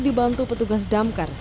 dibantu petugas damkar